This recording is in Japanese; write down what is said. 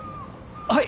はい！